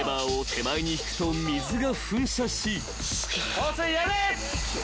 ・放水やめ！